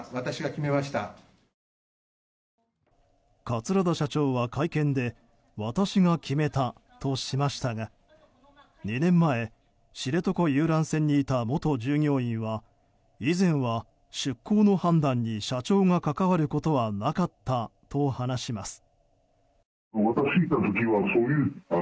桂田社長は会見で私が決めたとしましたが２年前、知床遊覧船にいた元従業員は以前は、出航の判断に社長が関わることはなかったと話します。